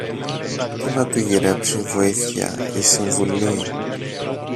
που να του γυρέψει βοήθεια ή συμβουλή.